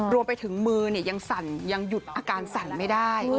รวมไปถึงมือยังสั่นยังหยุดอาการสั่นไม่ได้